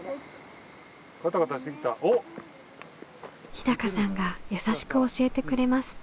日高さんが優しく教えてくれます。